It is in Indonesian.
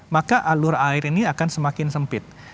maka alur air ini akan semakin sempit